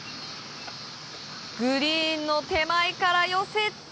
グリーンの手前から寄せて。